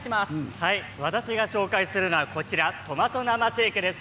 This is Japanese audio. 私が紹介するのはトマト生シェイクです。